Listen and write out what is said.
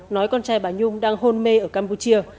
nói con trai bà nhung đang hôn mê ở campuchia